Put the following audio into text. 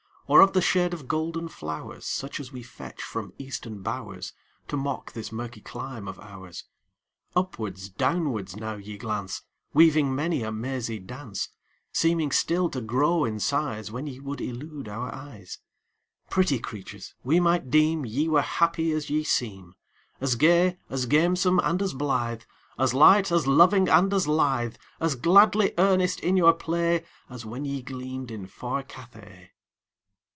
Or of the shade of golden flowers, Such as we fetch from Eastern bowers, To mock this murky clime of ours? Upwards, downwards, now ye glance, Weaving many a mazy dance; Seeming still to grow in size When ye would elude our eyes Pretty creatures! we might deem Ye were happy as ye seem As gay, as gamesome, and as blithe, As light, as loving, and as lithe, As gladly earnest in your play, As when ye gleamed in far Cathay.